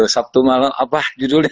sabtu malam apa judulnya